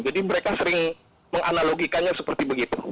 jadi mereka sering menganalogikannya seperti begitu